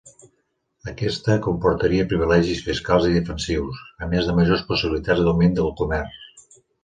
Aquesta comportaria privilegis fiscals i defensius, a més de majors possibilitats d'augment del comerç.